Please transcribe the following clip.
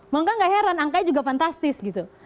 maka gak heran angkanya juga fantastis gitu